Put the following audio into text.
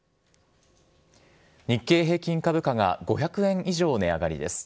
日経平均株価が５００円以上値上がりです。